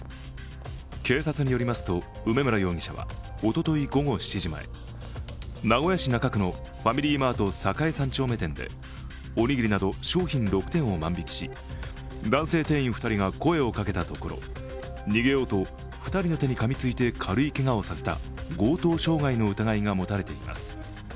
警察によりますと、梅村容疑者はおととい午後７時前、名古屋市中区のファミリーマート栄三丁目店で、おにぎりなど商品６点を万引きし男性店員２人が声をかけたところ逃げようと２人の手にかみついて軽いけがをさせた強盗傷害の疑いが持たれています。